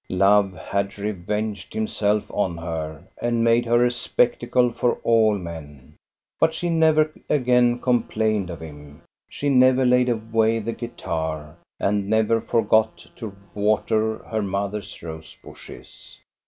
Love had revenged himself on her and made her a spectacle for all men. But she never again com plained of him. She never laid away the guitar, and never forgot to water her mother's rose bushes.